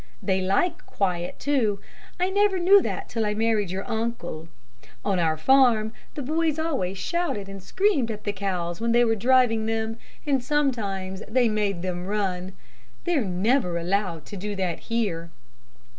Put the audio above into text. They like quiet, too. I never knew that till I married your uncle. On our farm, the boys always shouted and screamed at the cows when they were driving them, and sometimes they made them run. They're never allowed to do that here."